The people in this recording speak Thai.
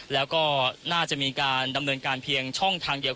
แล้วก็น่าจะมีการดำเนินการเพียงช่องทางเดียว